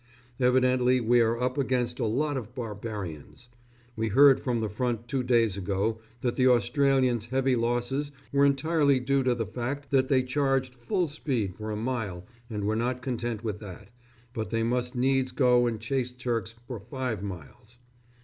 Evidently we are up against a lot of barbarians. We heard from the front two days ago that the Australians' heavy losses were entirely due to the fact that they charged full speed for a mile and were not content with that, but they must needs go and chase the Turks for five miles.